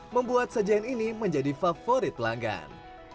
membuat sajian ini menjadi favorit pelanggan